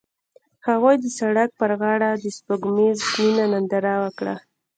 هغوی د سړک پر غاړه د سپوږمیز مینه ننداره وکړه.